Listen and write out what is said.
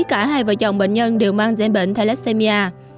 cả hai vợ chồng bệnh nhân đều mang gian bệnh thelessemia